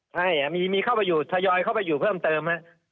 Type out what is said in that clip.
ใช่มีเข้าไปอยู่ทยอยเข้าไปอยู่เพิ่มเติม